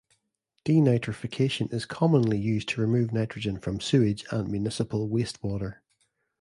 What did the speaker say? Denitrification is commonly used to remove nitrogen from sewage and municipal wastewater.